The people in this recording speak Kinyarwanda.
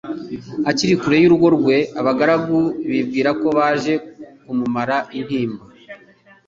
Akiri kure y'urugo rwe, abagaragu bibwira ko baje kLimumara intimba,